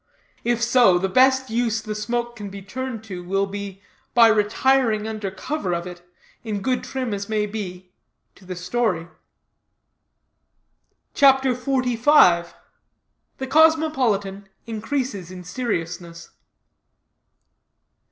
If so, the best use the smoke can be turned to, will be, by retiring under cover of it, in good trim as may be, to the story. CHAPTER XLV. THE COSMOPOLITAN INCREASES IN SERIOUSNESS.